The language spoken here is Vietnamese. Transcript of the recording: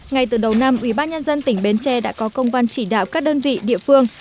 ngay từ đầu năm ubnd tỉnh bến tre đã có công văn chỉ đạo các đơn vị địa phương